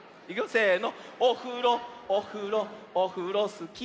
せの。